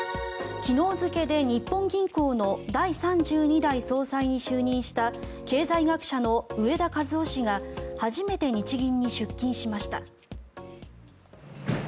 昨日付で日本銀行の第３２代総裁に就任した経済学者の植田和男氏が初めて日銀に出勤しました。